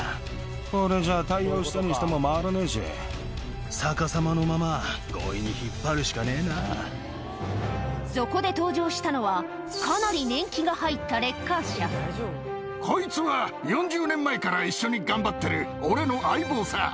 これじゃ、タイヤを下にしても回らないし、逆さまのまま、強引に引っ張るしそこで登場したのは、かなりこいつは４０年前から一緒に頑張ってる俺の相棒さ。